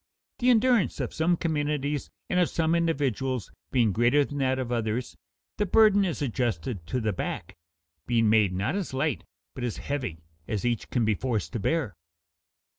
The endurance of some communities and of some individuals being greater than that of others, the burden is adjusted to the back, being made not as light but as heavy as each can be forced to bear.